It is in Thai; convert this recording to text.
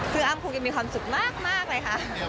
คืออ้ำคงยังมีความสุขมากเลยค่ะ